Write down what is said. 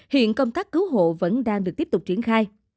hiện công tác cứu hộ vẫn đang được tiếp tục triển khai